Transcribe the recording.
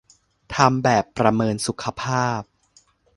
ทำแบบประเมินสุขภาพ